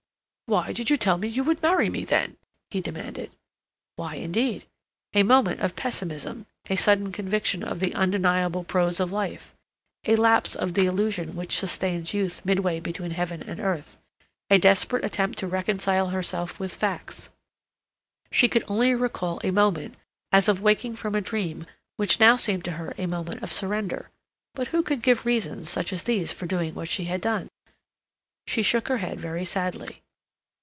"Why did you tell me you would marry me, then?" he demanded. Why, indeed? A moment of pessimism, a sudden conviction of the undeniable prose of life, a lapse of the illusion which sustains youth midway between heaven and earth, a desperate attempt to reconcile herself with facts—she could only recall a moment, as of waking from a dream, which now seemed to her a moment of surrender. But who could give reasons such as these for doing what she had done? She shook her head very sadly.